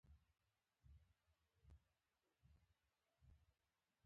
شاعرانه ځواک